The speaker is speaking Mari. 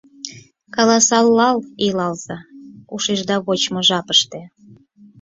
Каласалал илалза ушешда вочмо жапыште.